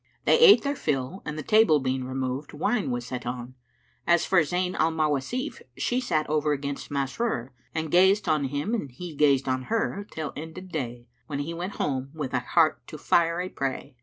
They ate their fill and the table being removed, wine was set on. As for Zayn al Mawasif, she sat over against Masrur and gazed on him and he gazed on her till ended day, when he went home, with a heart to fire a prey.